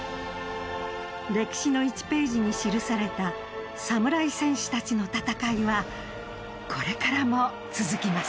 歴史の１ページに記された侍戦士たちの戦いはこれからも続きます。